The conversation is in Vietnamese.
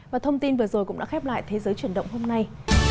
và thông tin vừa rồi cũng đã khép lại thế giới chuyển động hôm nay